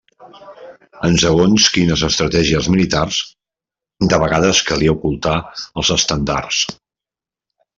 En segons quines estratègies militars, de vegades calia ocultar els estendards.